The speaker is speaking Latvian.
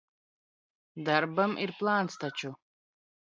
Darbam ir plāns taču.